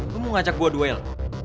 lo mau ngajak gue duel